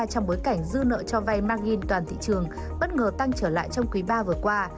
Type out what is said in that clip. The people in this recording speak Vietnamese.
trong bối cảnh dư nợ cho vay margin toàn thị trường bất ngờ tăng trở lại trong quý ba vừa qua